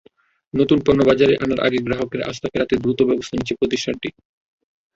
নতুন পণ্য বাজারে আনার আগে গ্রাহকের আস্থা ফেরাতে দ্রুত ব্যবস্থা নিচ্ছে প্রতিষ্ঠানটি।